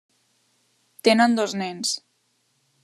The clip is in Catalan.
Tenen dos nens.